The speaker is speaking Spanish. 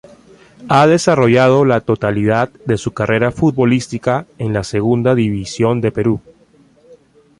Ha desarrollado la totalidad de su carrera futbolística en la Segunda División de Perú.